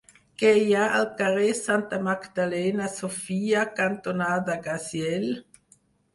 Què hi ha al carrer Santa Magdalena Sofia cantonada Gaziel?